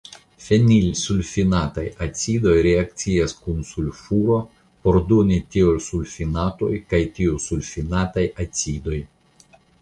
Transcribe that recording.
Fenilsulfinataj acidoj reakcias kun sulfuro por doni tiosulfinatoj kaj tiosulfinataj acidoj.